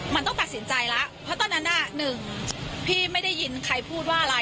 มันต้องตัดสินใจแล้วเพราะตอนนั้นน่ะหนึ่งพี่ไม่ได้ยินใครพูดว่าอะไร